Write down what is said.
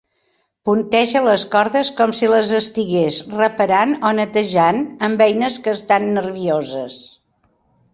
Punteja les cordes com si les estigués reparant o netejant amb eines que estan nervioses.